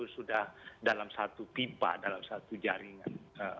sudah dalam satu pipa dalam satu jaringan